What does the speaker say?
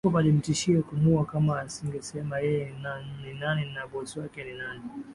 Jacob alimtishia kumuua kama asingesema yeye ni nani na bosi wake ni nani